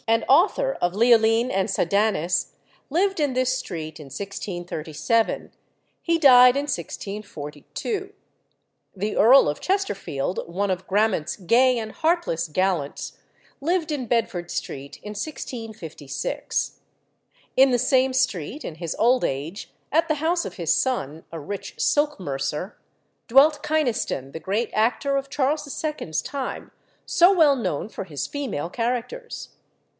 and author of Leoline and Sydanis, lived in this street in 1637. He died in 1642. The Earl of Chesterfield, one of Grammont's gay and heartless gallants, lived in Bedford Street in 1656. In the same street, in his old age, at the house of his son, a rich silk mercer, dwelt Kynaston, the great actor of Charles II.'s time, so well known for his female characters.